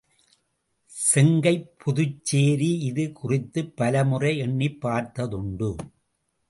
செங்கைப் புதுச்சேரி இது குறித்துப் பலமுறை எண்ணிப் பார்த்ததுண்டு.